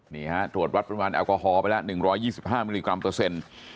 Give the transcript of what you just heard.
นี่ฮะตรวจวัดปริมาณแอลกอฮอล์ไปแล้ว๑๒๕มิลลิกรัมเปอร์เซ็นต์